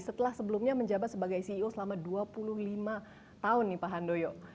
setelah sebelumnya menjabat sebagai ceo selama dua puluh lima tahun nih pak handoyo